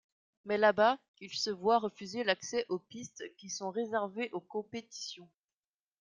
Mais là-bas, ils se voient refuser l'accès aux pistes qui sont réservées aux compétitions.